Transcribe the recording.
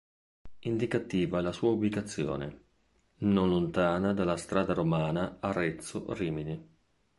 Indicativa è la sua ubicazione, non lontana dalla strada romana Arezzo-Rimini.